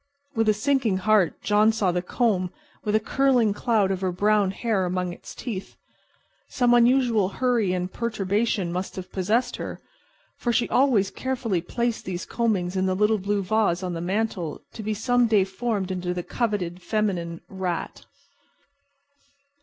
With a sinking heart John saw the comb with a curling cloud of her brown hair among its teeth. Some unusual hurry and perturbation must have possessed her, for she always carefully placed these combings in the little blue vase on the mantel to be some day formed into the coveted feminine "rat."